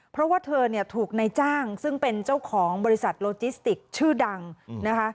เพราะว่าเธอเนี่ยถูกในจ้างซึ่งเป็นเจ้าของบริษัทโลจิสติกชื่อดังนะคะ